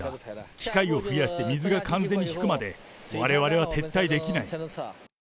機械を増やして、水が完全に引くまで、われわれは撤退できない。